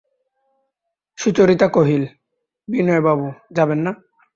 সুচরিতা কহিল, বিনয়বাবু, যাবেন না।